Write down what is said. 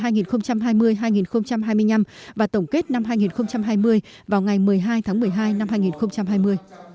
nhiệm kỳ hai nghìn hai mươi hai nghìn hai mươi năm và tổng kết năm hai nghìn hai mươi vào ngày một mươi hai tháng một mươi hai năm hai nghìn hai mươi